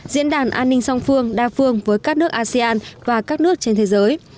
diễn đàn an ninh song phương đa phương với các nước asean và các nước trên thế giới